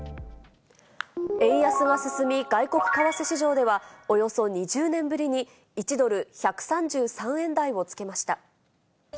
円安が進み、外国為替市場では、およそ２０年ぶりに１ドル１３３円台をつけました。